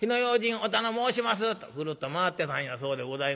おたのもうしますとぐるっと回ってたんやそうでございます。